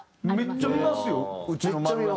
めっちゃ見ます。